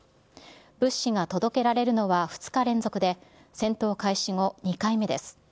物資が届けられるのは２日連続で、戦闘開始後２回目です。